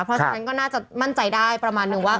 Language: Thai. เพราะฉะนั้นก็น่าจะมั่นใจได้ประมาณนึงว่า